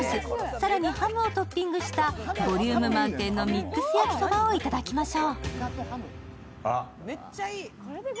更に、ハムをトッピングしたボリューム満点のミックスやきそばを頂きましょう。